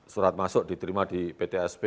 surat masuk diterima di ptsp